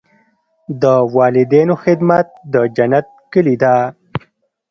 د والدینو خدمت د جنت کلي ده.